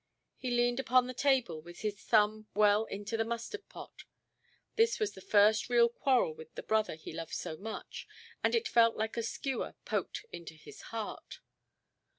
He leaned upon the table, with his thumb well into the mustard–pot. This was the first real quarrel with the brother he loved so much; and it felt like a skewer poked into his heart.